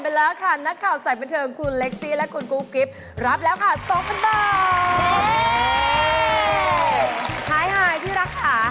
เพราะว่าใส่ถูกกว่าอีก